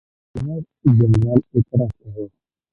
ګورنرجنرال اعتراض کاوه.